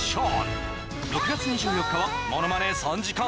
６月２４日はものまね３時間ＳＰ！